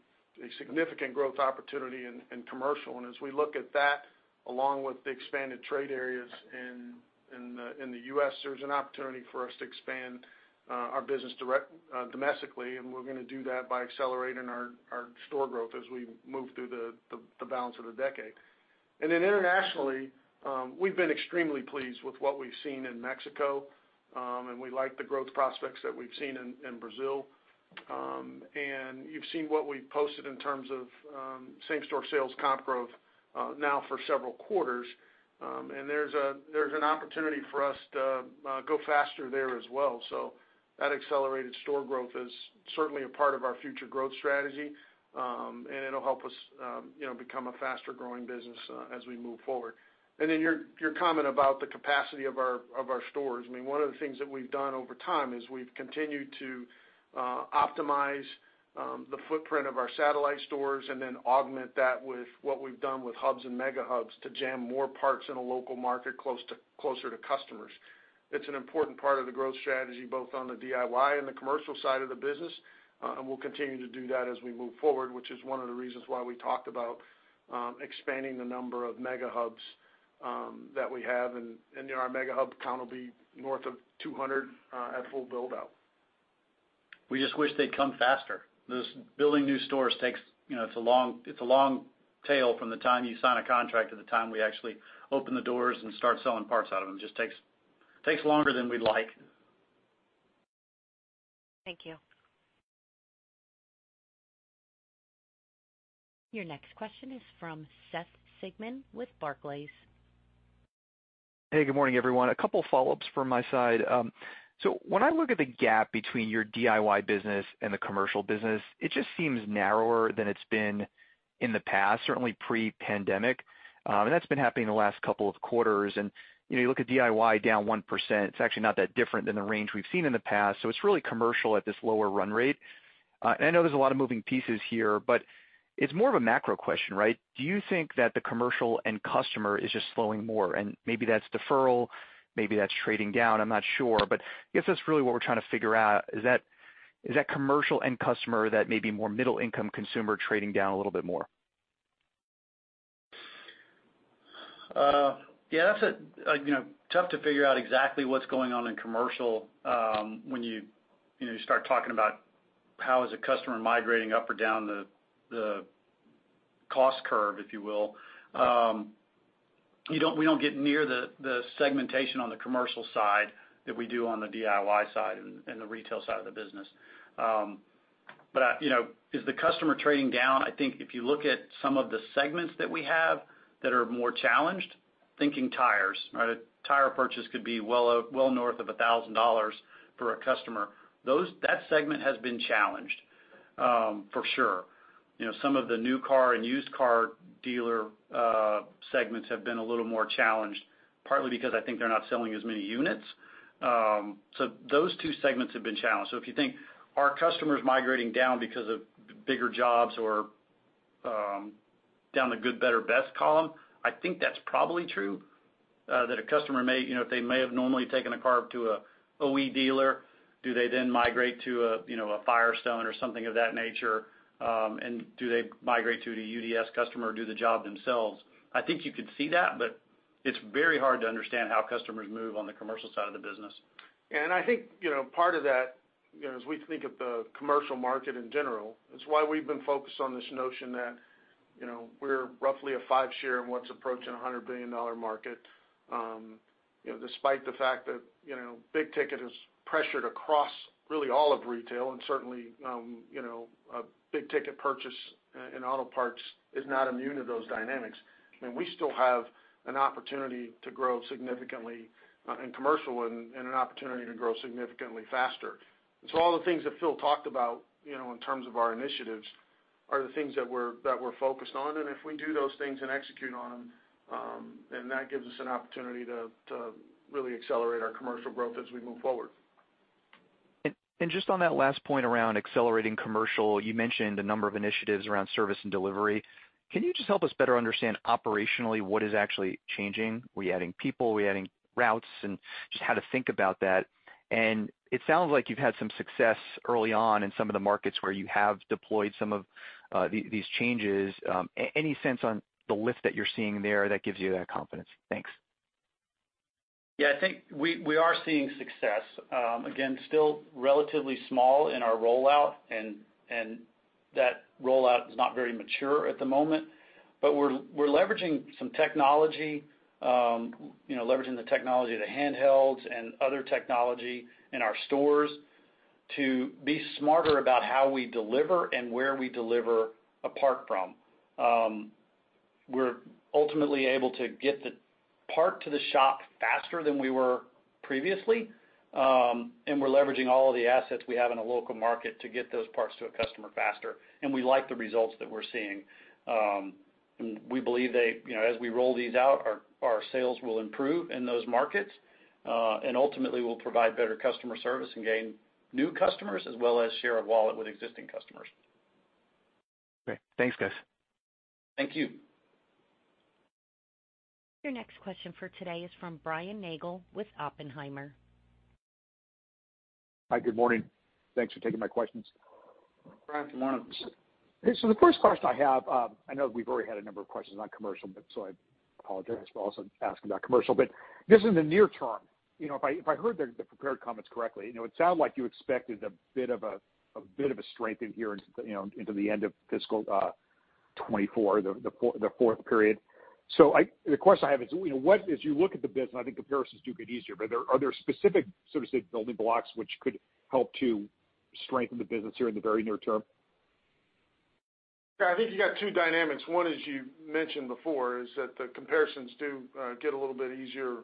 significant growth opportunity in commercial. And as we look at that, along with the expanded trade areas in the U.S., there's an opportunity for us to expand our business domestically, and we're going to do that by accelerating our, our store growth as we move through the balance of the decade. Then internationally, we've been extremely pleased with what we've seen in Mexico, and we like the growth prospects that we've seen in Brazil. You've seen what we've posted in terms of same-store sales comp growth now for several quarters. There's an opportunity for us to go faster there as well. So that accelerated store growth is certainly a part of our future growth strategy, and it'll help us, you know, become a faster growing business as we move forward. And then your comment about the capacity of our stores, I mean, one of the things that we've done over time is we've continued to optimize the footprint of our satellite stores and then augment that with what we've done with Hubs and Mega Hubs to jam more parts in a local market closer to customers. It's an important part of the growth strategy, both on the DIY and the commercial side of the business. And we'll continue to do that as we move forward, which is one of the reasons why we talked about expanding the number of Mega Hubs that we have, and our Mega Hub count will be north of 200 at full build-out. We just wish they'd come faster. Those building new stores takes, you know, it's a long, it's a long tail from the time you sign a contract to the time we actually open the doors and start selling parts out of them. It just takes, takes longer than we'd like. Thank you. Your next question is from Seth Sigman with Barclays. Hey, good morning, everyone. A couple follow-ups from my side. So when I look at the gap between your DIY business and the commercial business, it just seems narrower than it's been in the past, certainly pre-pandemic. And that's been happening in the last couple of quarters. And, you know, you look at DIY down 1%, it's actually not that different than the range we've seen in the past, so it's really commercial at this lower run rate. And I know there's a lot of moving pieces here, but it's more of a macro question, right? Do you think that the commercial end customer is just slowing more? And maybe that's deferral, maybe that's trading down, I'm not sure. I guess that's really what we're trying to figure out, is that, is that commercial end customer, that maybe more middle-income consumer trading down a little bit more? Yeah, that's a, you know, tough to figure out exactly what's going on in commercial, when you, you know, you start talking about how is a customer migrating up or down the cost curve, if you will. You don't, we don't get near the segmentation on the commercial side that we do on the DIY side and the retail side of the business. But I, you know, is the customer trading down? I think if you look at some of the segments that we have that are more challenged, thinking tires, right? A tire purchase could be well north of $1,000 for a customer. That segment has been challenged, for sure. You know, some of the new car and used car dealer segments have been a little more challenged, partly because I think they're not selling as many units. So those two segments have been challenged. So if you think, are customers migrating down because of bigger jobs or, down the Good, Better, Best column, I think that's probably true, that a customer may, you know, if they may have normally taken a car to a OE dealer, do they then migrate to a, you know, a Firestone or something of that nature? And do they migrate to the DIY customer or do the job themselves? I think you could see that, but it's very hard to understand how customers move on the commercial side of the business. I think, you know, part of that, you know, as we think of the commercial market in general, it's why we've been focused on this notion that, you know, we're roughly a 5 share in what's approaching a $100 billion market. You know, despite the fact that, you know, big ticket is pressured across really all of retail, and certainly, you know, a big ticket purchase in auto parts is not immune to those dynamics. I mean, we still have an opportunity to grow significantly in commercial and an opportunity to grow significantly faster. So all the things that Phil talked about, you know, in terms of our initiatives, are the things that we're focused on. If we do those things and execute on them, then that gives us an opportunity to really accelerate our commercial growth as we move forward. And just on that last point around accelerating commercial, you mentioned a number of initiatives around service and delivery. Can you just help us better understand operationally, what is actually changing? Were you adding people? Were you adding routes? And just how to think about that. And it sounds like you've had some success early on in some of the markets where you have deployed some of these changes. Any sense on the lift that you're seeing there that gives you that confidence? Thanks. Yeah, I think we are seeing success. Again, still relatively small in our rollout, and that rollout is not very mature at the moment, but we're leveraging some technology, you know, leveraging the technology of the handhelds and other technology in our stores to be smarter about how we deliver and where we deliver a part from. We're ultimately able to get the part to the shop faster than we were previously, and we're leveraging all of the assets we have in a local market to get those parts to a customer faster, and we like the results that we're seeing. We believe they, you know, as we roll these out, our sales will improve in those markets, and ultimately we'll provide better customer service and gain new customers, as well as share of wallet with existing customers. Great. Thanks, guys. Thank you. Your next question for today is from Brian Nagel with Oppenheimer. Hi, good morning. Thanks for taking my questions. Brian, good morning. So the first question I have, I know we've already had a number of questions on commercial, but so I apologize for also asking about commercial, but just in the near term, you know, if I, if I heard the prepared comments correctly, you know, it sounded like you expected a bit of a, a bit of a strength in here into, you know, into the end of fiscal 2024, the fourth period. So, the question I have is, you know, what, as you look at the business, I think comparisons do get easier, but are there, are there specific, so to say, building blocks, which could help to strengthen the business here in the very near term? Yeah, I think you got two dynamics. One, as you mentioned before, is that the comparisons do get a little bit easier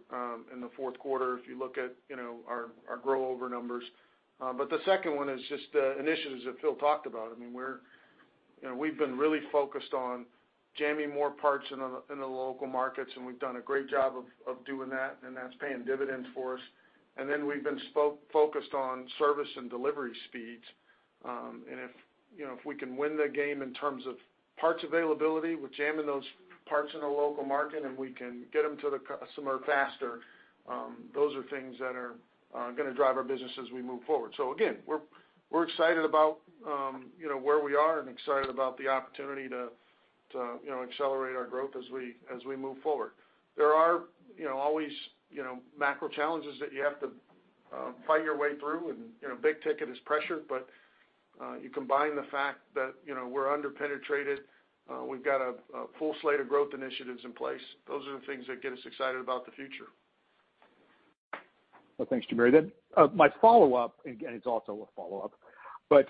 in the fourth quarter if you look at, you know, our year-over-year numbers. But the second one is just initiatives that Phil talked about. I mean, we're, you know, we've been really focused on jamming more parts in the local markets, and we've done a great job of doing that, and that's paying dividends for us. And then we've been focused on service and delivery speeds. And if, you know, if we can win the game in terms of parts availability with jamming those parts in a local market, and we can get them to the customer faster, those are things that are gonna drive our business as we move forward. So again, we're excited about, you know, where we are and excited about the opportunity to, you know, accelerate our growth as we move forward. There are, you know, always, you know, macro challenges that you have to fight your way through, and, you know, big ticket is pressure, but you combine the fact that, you know, we're under-penetrated, we've got a full slate of growth initiatives in place. Those are the things that get us excited about the future. Well, thanks, Jamere. Then, my follow-up, and it's also a follow-up. But,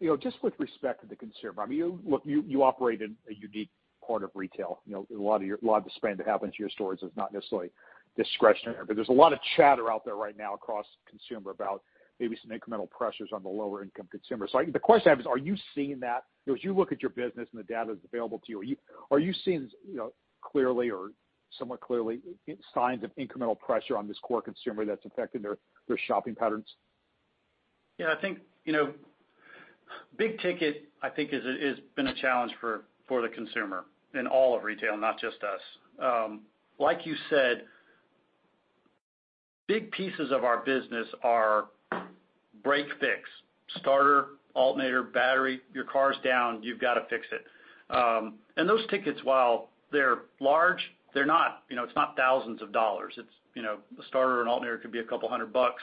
you know, just with respect to the consumer, I mean, you look, you operate in a unique part of retail, you know, a lot of your-- a lot of the spend that happens in your stores is not necessarily discretionary. But there's a lot of chatter out there right now across consumer about maybe some incremental pressures on the lower-income consumer. So, the question I have is, are you seeing that? You know, as you look at your business and the data that's available to you, are you seeing, you know, clearly or somewhat clearly, signs of incremental pressure on this core consumer that's affecting their, their shopping patterns? Yeah, I think, you know, big ticket, I think, has been a challenge for the consumer in all of retail, not just us. Like you said, big pieces of our business are break-fix, starter, alternator, battery, your car's down, you've got to fix it. And those tickets, while they're large, they're not, you know, it's not thousands of dollars. It's, you know, a starter and alternator could be a couple hundred bucks.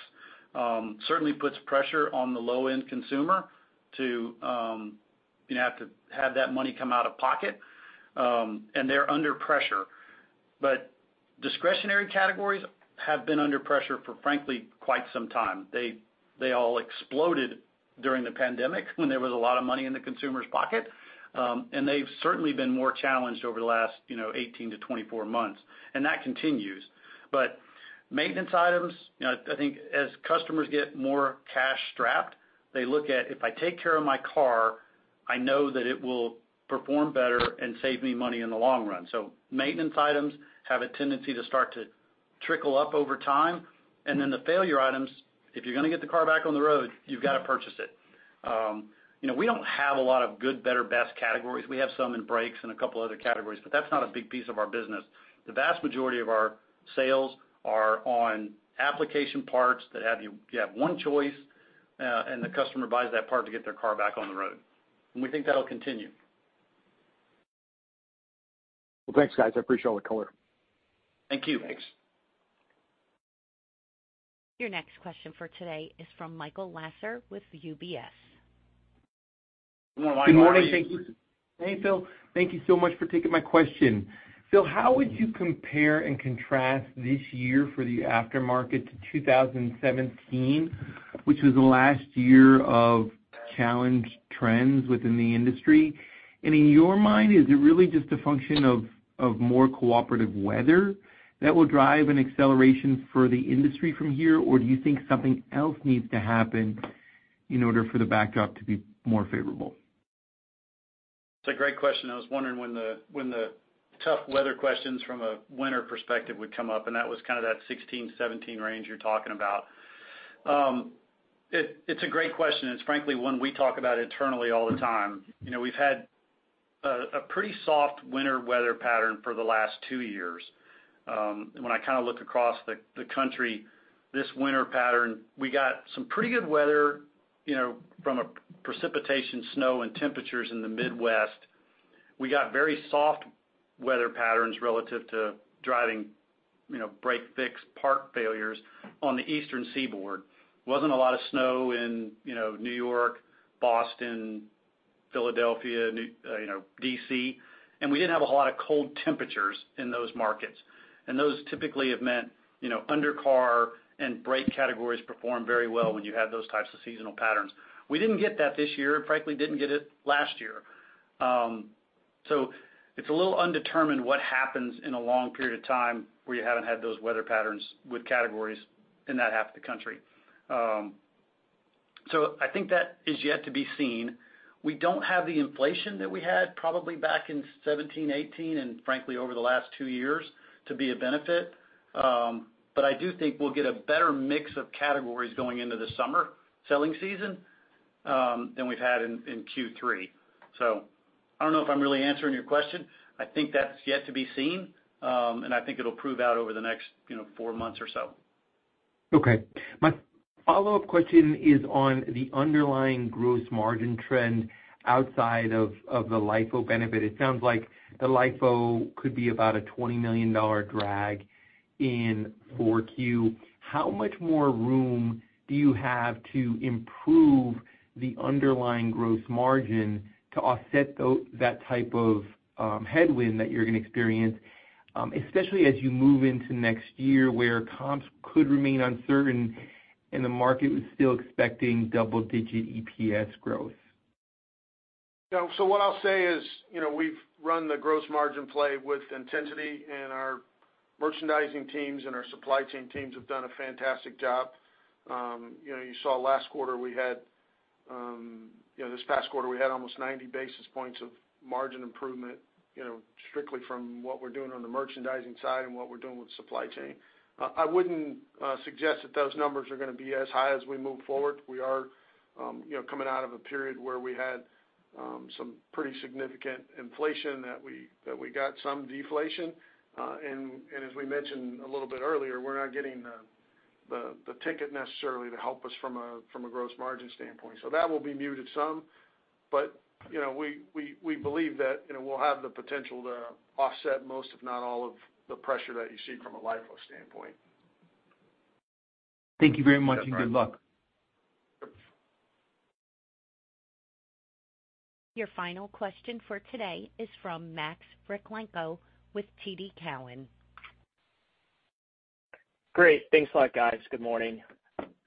Certainly puts pressure on the low-end consumer to, you have to have that money come out of pocket, and they're under pressure. But discretionary categories have been under pressure for, frankly, quite some time. They, they all exploded during the pandemic when there was a lot of money in the consumer's pocket, and they've certainly been more challenged over the last, you know, 18-24 months, and that continues. But maintenance items, you know, I think as customers get more cash strapped, they look at, "If I take care of my car, I know that it will perform better and save me money in the long run." So maintenance items have a tendency to start to trickle up over time. And then the failure items, if you're gonna get the car back on the road, you've got to purchase it. You know, we don't have a lot of good, better, best categories. We have some in brakes and a couple other categories, but that's not a big piece of our business. The vast majority of our sales are on application parts that have one choice, and the customer buys that part to get their car back on the road. We think that'll continue. Well, thanks, guys. I appreciate all the color. Thank you. Thanks. Your next question for today is from Michael Lasser with UBS. Hello, Michael. Good morning. Hey, Phil. Thank you so much for taking my question. Phil, how would you compare and contrast this year for the aftermarket to 2017, which was the last year of challenged trends within the industry? And in your mind, is it really just a function of more cooperative weather that will drive an acceleration for the industry from here, or do you think something else needs to happen in order for the backdrop to be more favorable? It's a great question. I was wondering when the tough weather questions from a winter perspective would come up, and that was kind of that 2016, 2017 range you're talking about. It's a great question, and it's frankly one we talk about internally all the time. You know, we've had a pretty soft winter weather pattern for the last two years. When I kind of look across the country, this winter pattern, we got some pretty good weather, you know, from a precipitation, snow, and temperatures in the Midwest. We got very soft weather patterns relative to driving, you know, break-fix part failures on the Eastern Seaboard. Wasn't a lot of snow in, you know, New York, Boston, Philadelphia, New, you know, D.C., and we didn't have a whole lot of cold temperatures in those markets. Those typically have meant, you know, undercar and brake categories perform very well when you have those types of seasonal patterns. We didn't get that this year, and frankly, didn't get it last year. It's a little undetermined what happens in a long period of time where you haven't had those weather patterns with categories in that half of the country. I think that is yet to be seen. We don't have the inflation that we had probably back in 2017, 2018, and frankly, over the last two years, to be a benefit. I do think we'll get a better mix of categories going into the summer selling season, than we've had in Q3. I don't know if I'm really answering your question. I think that's yet to be seen, and I think it'll prove out over the next, you know, four months or so. Okay. My follow-up question is on the underlying gross margin trend outside of the LIFO benefit. It sounds like the LIFO could be about a $20 million drag in 4Q. How much more room do you have to improve the underlying gross margin to offset that type of headwind that you're going to experience, especially as you move into next year, where comps could remain uncertain and the market is still expecting double-digit EPS growth? What I'll say is, you know, we've run the gross margin play with intensity, and our merchandising teams and our supply chain teams have done a fantastic job. You know, you saw last quarter, we had, you know, this past quarter, we had almost 90 basis points of margin improvement, you know, strictly from what we're doing on the merchandising side and what we're doing with supply chain. I wouldn't suggest that those numbers are gonna be as high as we move forward. We are, you know, coming out of a period where we had,... some pretty significant inflation that we got some deflation. And as we mentioned a little bit earlier, we're not getting the ticket necessarily to help us from a gross margin standpoint. So that will be muted some, but you know, we believe that you know, we'll have the potential to offset most, if not all, of the pressure that you see from a LIFO standpoint. Thank you very much and good luck. Your final question for today is from Max Rakhlenko with TD Cowen. Great. Thanks a lot, guys. Good morning.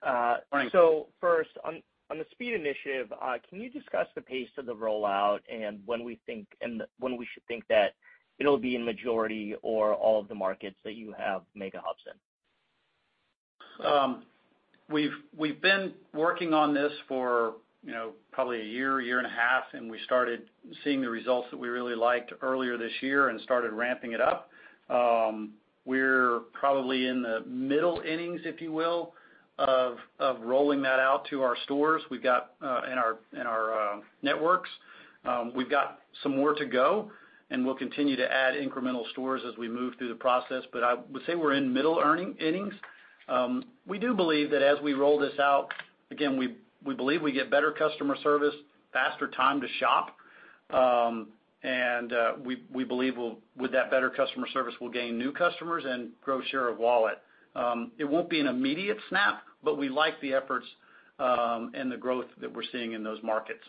Morning. So first, on the speed initiative, can you discuss the pace of the rollout and when we think, and when we should think that it'll be in majority or all of the markets that you have Mega Hubs in? We've been working on this for, you know, probably a year, year and a half, and we started seeing the results that we really liked earlier this year and started ramping it up. We're probably in the middle innings, if you will, of rolling that out to our stores. We've got in our networks we've got some more to go, and we'll continue to add incremental stores as we move through the process, but I would say we're in middle innings. We do believe that as we roll this out, again, we believe we get better customer service, faster time to shop, and we believe we'll, with that better customer service, we'll gain new customers and grow share of wallet. It won't be an immediate snap, but we like the efforts, and the growth that we're seeing in those markets.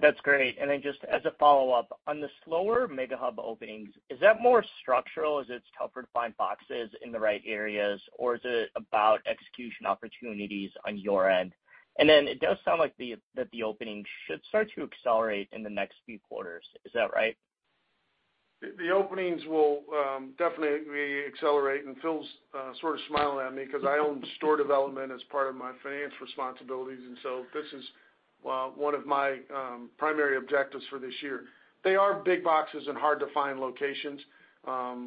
That's great. And then just as a follow-up, on the slower Mega Hub openings, is that more structural, as it's tougher to find boxes in the right areas, or is it about execution opportunities on your end? And then it does sound like that the opening should start to accelerate in the next few quarters. Is that right? The openings will definitely accelerate, and Phil's sort of smiling at me 'cause I own store development as part of my finance responsibilities, and so this is, well, one of my primary objectives for this year. They are big boxes and hard-to-find locations.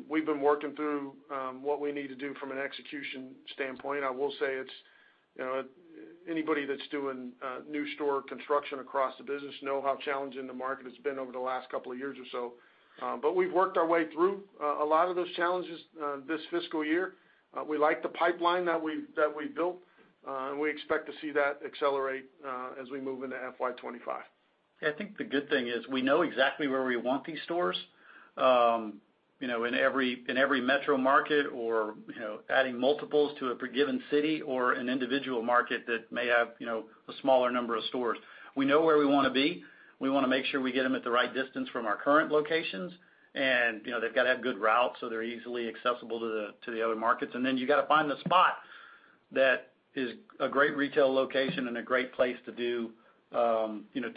We've been working through what we need to do from an execution standpoint. I will say it's, you know, anybody that's doing new store construction across the business know how challenging the market has been over the last couple of years or so. But we've worked our way through a lot of those challenges this fiscal year. We like the pipeline that we, that we built, and we expect to see that accelerate as we move into FY 2025. I think the good thing is we know exactly where we want these stores. You know, in every metro market or, you know, adding multiples to a given city or an individual market that may have, you know, a smaller number of stores. We know where we wanna be. We wanna make sure we get them at the right distance from our current locations, and, you know, they've got to have good routes, so they're easily accessible to the other markets. And then you gotta find the spot that is a great retail location and a great place to do, you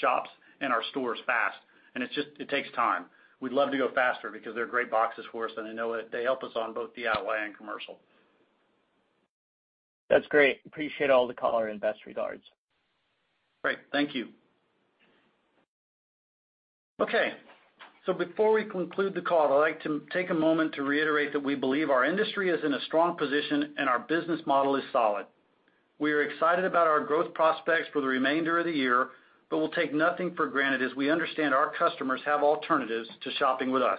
know, to fulfill and get these expanded parts to our shops and our stores fast. And it's just, it takes time. We'd love to go faster because they're great boxes for us, and I know that they help us on both DIY and commercial. That's great. Appreciate all the color and best regards. Great. Thank you. Okay, so before we conclude the call, I'd like to take a moment to reiterate that we believe our industry is in a strong position, and our business model is solid. We are excited about our growth prospects for the remainder of the year, but we'll take nothing for granted as we understand our customers have alternatives to shopping with us.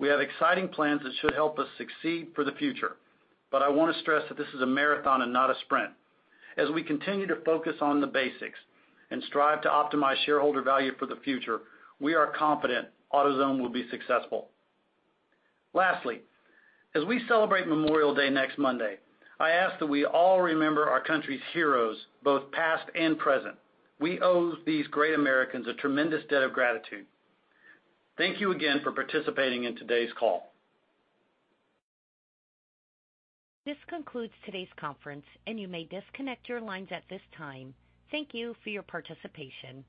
We have exciting plans that should help us succeed for the future, but I wanna stress that this is a marathon and not a sprint. As we continue to focus on the basics and strive to optimize shareholder value for the future, we are confident AutoZone will be successful. Lastly, as we celebrate Memorial Day next Monday, I ask that we all remember our country's heroes, both past and present. We owe these great Americans a tremendous debt of gratitude. Thank you again for participating in today's call. This concludes today's conference, and you may disconnect your lines at this time. Thank you for your participation.